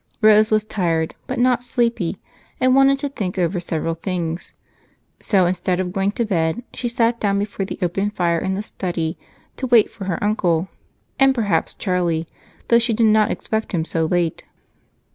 Rose was tired but not sleepy and wanted to think over several things, so instead of going to bed she sat down before the open fire in the study to wait for her uncle and perhaps Charlie, though she did not expect him so late.